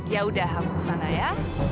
yaudah aku kesana ya